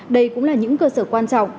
đây cũng là những cơ sở quan trọng